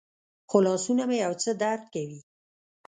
خو لاسونه مې یو څه درد کوي.